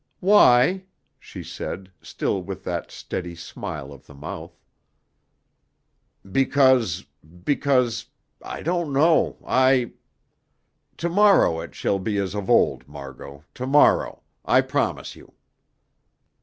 "Why?" she said, still with that steady smile of the mouth. "Because because I don't know I To morrow it shall be as of old, Margot to morrow. I promise you."